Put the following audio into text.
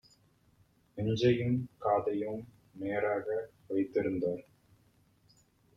நெஞ்சையும் காதையும் நேராக வைத்திருந்தார்: